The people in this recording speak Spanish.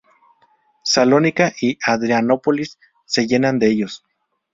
Salónica y Adrianópolis se llena de ellos.